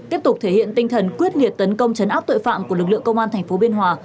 tiếp tục thể hiện tinh thần quyết liệt tấn công chấn áp tội phạm của lực lượng công an tp biên hòa